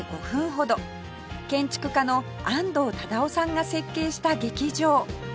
建築家の安藤忠雄さんが設計した劇場